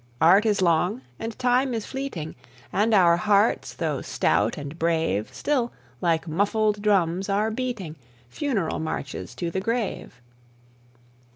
Art is long, and Time is fleeting, And our hearts, though stout and brave, Still, like muffled drums, are beating Funeral marches to the grave.